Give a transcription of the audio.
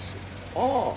ああ！